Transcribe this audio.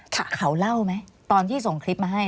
เขาเล่าไหมตอนที่ส่งคลิปมาให้